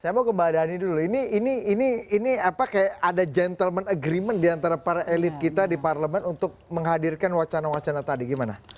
saya mau ke mbak dhani dulu ini apa kayak ada gentleman agreement diantara para elit kita di parlemen untuk menghadirkan wacana wacana tadi gimana